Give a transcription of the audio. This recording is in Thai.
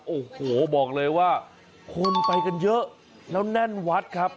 โอ้โหบอกเลยว่าคนไปกันเยอะแล้วแน่นวัดครับ